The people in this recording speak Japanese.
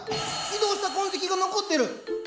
移動した痕跡が残ってる！